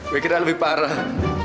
gue kira lebih parah